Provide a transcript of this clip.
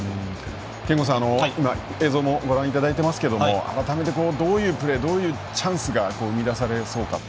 憲剛さん、映像もご覧いただいていますが改めてどういうプレーどういうチャンスが生み出されそうですか？